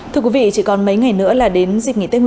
thưa quý vị chỉ còn mấy ngày nữa là đến dịch bệnh